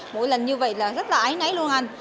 mỗi lần như vậy là rất là ái náy luôn